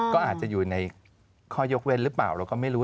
ก็อาจจะอยู่ในข้อยกเว้นหรือเปล่าเราก็ไม่รู้